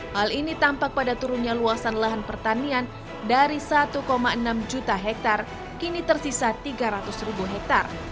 hal ini tampak pada turunnya luasan lahan pertanian dari satu enam juta hektare kini tersisa tiga ratus ribu hektare